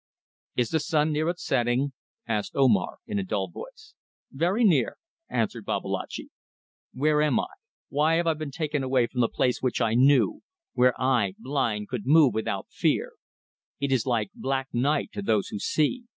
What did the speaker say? "Is the sun near its setting?" asked Omar, in a dull voice. "Very near," answered Babalatchi. "Where am I? Why have I been taken away from the place which I knew where I, blind, could move without fear? It is like black night to those who see.